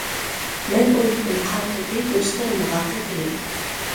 مەن ئوينىدىم قار توپى، دوستلىرىمغا قېتىلىپ.